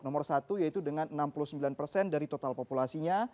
nomor satu yaitu dengan enam puluh sembilan persen dari total populasinya